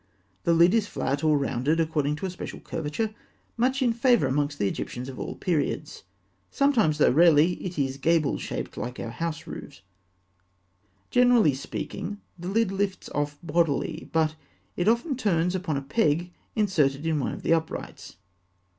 The lid is flat, or rounded according to a special curvature (fig. 258) much in favour among the Egyptians of all periods. Sometimes, though rarely, it is gable shaped, like our house roofs (fig. 259). Generally speaking, the lid lifts off bodily; but it often turns upon a peg inserted in one of the uprights.